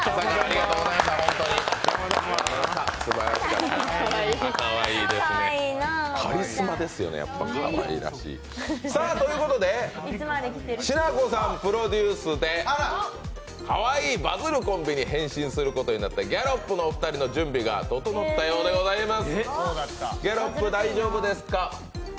すばらしかった、かわいいですねカリスマですね、やっぱり、かわいらしい。ということで、しなこさんプロデュースでかわいいバズるコンビに変身することになったギャロップのお二人の準備が整ったようでございます。